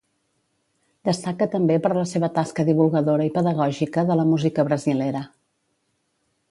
Destaca també per la seva tasca divulgadora i pedagògica de la música brasilera.